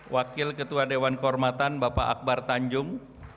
wakil ketua dewan kehormatan bapak akbar tanjung